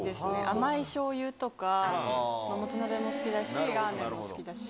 甘いしょうゆとか、もつ鍋も好きだし、ラーメンも好きだし。